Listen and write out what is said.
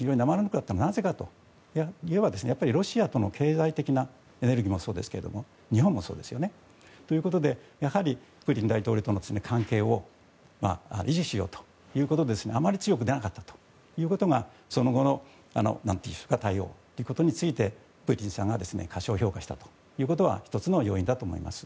それはなぜかといえばロシアとの経済的なエネルギーもそうですが日本もそうですよね。ということでプーチン大統領との関係を維持しようということで、あまり強く出なかったということがその後の対応ということについてプーチンさんが過小評価したということは１つの要因だともいます。